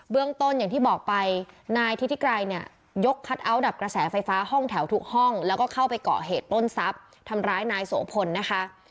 เรื่องต้นอย่างที่บอกไปนายทิศิกรัยเนี่ยยกคัทเอาท์ดับกระแสไฟฟ้าห้องแถวทุกห้องแล้วก็เข้าไปเกาะเหตุปล้นทรัพย์ทำร้ายนายโสพลนะคะ